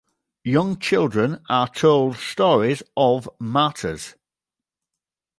Young children are told stories of "martyrs".